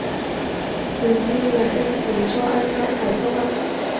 Hình như là em khiến cho anh ngại phải không ạ